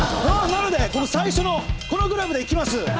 なので最初のこのグラブでいきます。